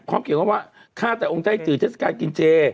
ความเกี่ยวกับว่าฆ่าแต่องค์ไทยจือเทศกาลกินเจ